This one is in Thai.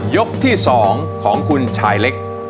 ยกที่๒ของคุณชายเล็ก